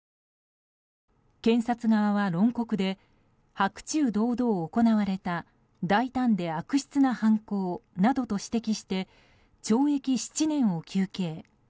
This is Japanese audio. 検察側は論告で白昼堂々、行われた大胆で悪質な犯行などと指摘して懲役７年を求刑。